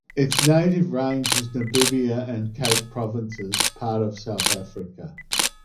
Its native range is Namibia and Cape Provinces (part of South Africa).